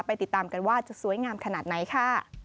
ติดตามกันว่าจะสวยงามขนาดไหนค่ะ